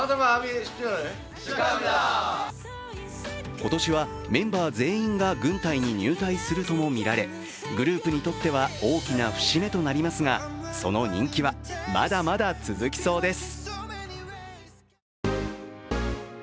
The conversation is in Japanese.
今年はメンバー全員が軍隊に入隊するともみられグループにとっては大きな節目となりますがその人気はまだまだ続きそうです。